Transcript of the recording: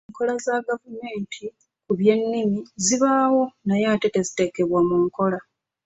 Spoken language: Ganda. Enkola za gavumenti ku by'ennimi zibaawo naye ate teziteekebwa mu nkola.